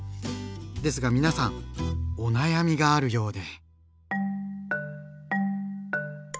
ですが皆さんお悩みがあるようで。